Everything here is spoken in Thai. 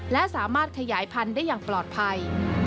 และสามารถขยายพันธุ์ได้อย่างปลอดภัย